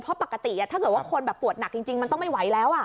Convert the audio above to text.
เพราะปกติถ้าเกิดว่าคนแบบปวดหนักจริงมันต้องไม่ไหวแล้ว